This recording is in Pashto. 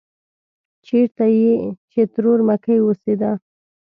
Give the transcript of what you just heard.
چېرته چې ترور مکۍ اوسېده.